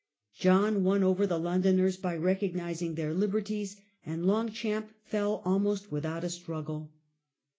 John won over the Londoners by recog nizing their liberties, and Longchamp fell almost without a struggle.